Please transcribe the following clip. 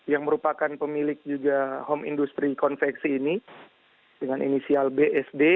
yang merupakan pemilik juga home industry konveksi ini dengan inisial bsd